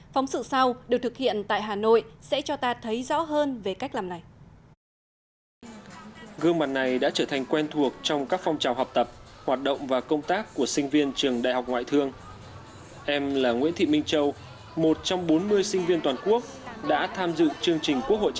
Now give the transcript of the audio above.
phóng sự sau được thực hiện tại hà nội sẽ cho ta thấy rõ hơn về cách làm này